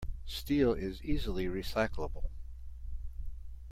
Steel is easily recyclable.